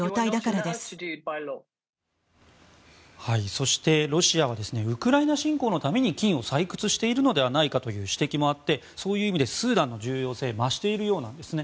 そして、ロシアはウクライナ侵攻のために金を採掘しているのではないかという指摘もあってそういう意味でスーダンの重要性が増しているようなんですね。